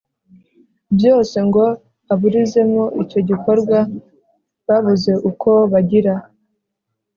byose ngo aburizemo icyo gikorwa. babuze uko bagira,